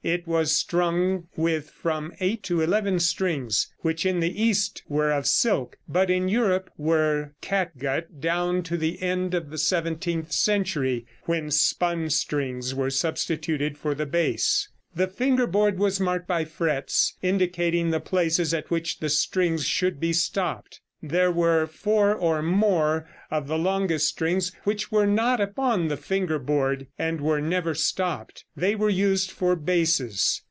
It was strung with from eight to eleven strings, which in the east were of silk, but in Europe were catgut down to the end of the seventeenth century, when spun strings were substituted for the bass. The finger board was marked by frets, indicating the places at which the strings should be stopped. There were four or more of the longest strings which were not upon the finger board, and were never stopped. They were used for basses.